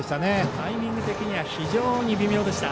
タイミング的には非常に微妙でした。